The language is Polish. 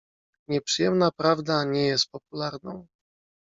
"Nieprzyjemna prawda nie jest popularną."